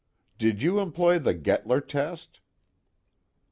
"Did you employ the Gettler test?"